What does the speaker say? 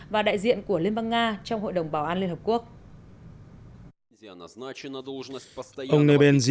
và đại diện của liên bang nga